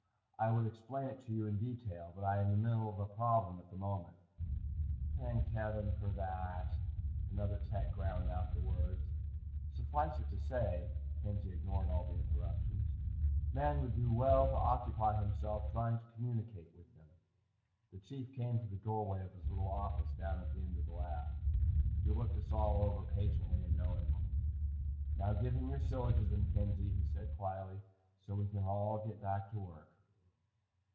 "I would explain it to you in detail, but I am in the middle of a problem at this moment." "Thank heaven for that," another tech ground out the words. "Suffice it to say," Kenzie ignored all interruptions, "Man would well occupy himself trying to communicate with them." The Chief came to the doorway of his little office down at the end of the lab. He looked us all over patiently and knowingly. "Now give him your syllogism, Kenzie," he said quietly, "so we can all get back to work."